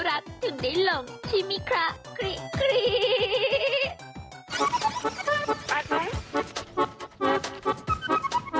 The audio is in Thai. แหมน่ารักถึงได้หลงชิ้นมีค่ะครี๊กครี๊ก